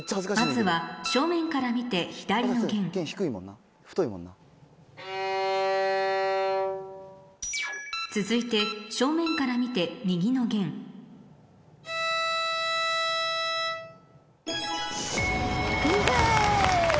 まずは正面から見て左の弦続いて正面から見て右の弦イェイ！